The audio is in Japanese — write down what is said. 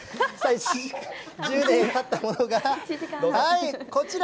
１０年たったものが、はい、こちら。